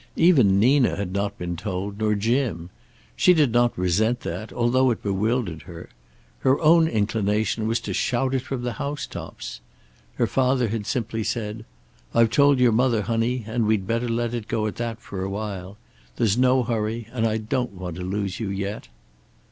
Even Nina had not been told, nor Jim. She did not resent that, although it bewildered her. Her own inclination was to shout it from the house tops. Her father had simply said: "I've told your mother, honey, and we'd better let it go at that, for a while. There's no hurry. And I don't want to lose you yet."